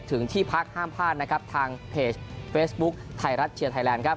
ที่พักห้ามพลาดนะครับทางเพจเฟซบุ๊คไทยรัฐเชียร์ไทยแลนด์ครับ